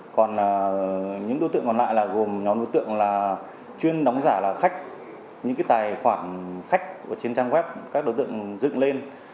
còn những đối tượng còn lại là gồm nhóm đối tượng là chuyên đóng giả là khách những cái tài khoản khách trên trang web các đối tượng dựng lên